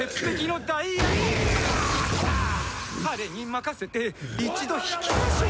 彼に任せて一度引きましょう。